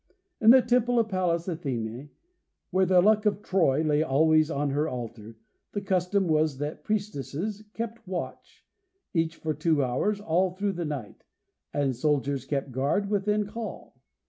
In the temple of Pallas Athene, where the Luck of Troy lay always on her altar, the custom was that priestesses kept watch, each for two hours, all through the night, and soldiers kept guard within call.